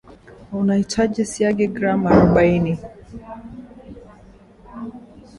utahitaji siagi gram arobaini